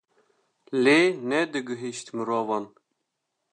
lê nedigihîşt mirovan.